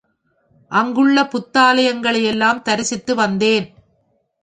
அங்குள்ள புத்தாலயங்களை யெல்லாம் தரிசித்து வந்தேன்.